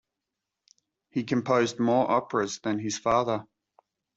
He composed more operas than his father.